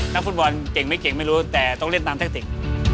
นักฟุตบอลเก่งไม่เก่งไม่รู้แต่ต้องเล่นตามแทคติก